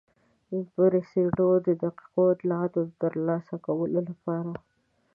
بریسټو د دقیقو اطلاعاتو د ترلاسه کولو لپاره.